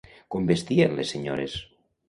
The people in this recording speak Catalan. Com vestien les senyores?